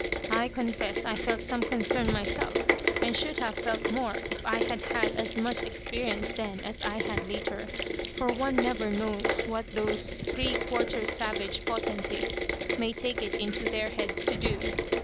I confess I felt some concern myself, and should have felt more if I had had as much experience then as I had later, for one never knows what those three quarters savage potentates may take it into their heads to do.